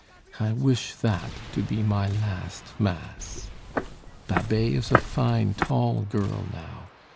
I wish that to be my last mass. "Babet is a fine, tall girl now.